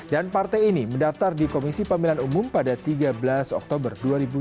dan partai ini mendaftar di komisi pemilihan umum pada tiga belas oktober dua ribu tujuh belas